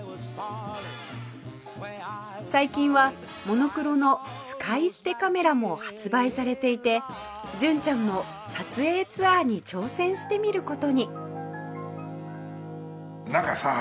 最近はモノクロの使い捨てカメラも発売されていて純ちゃんも撮影ツアーに挑戦してみる事になんかさ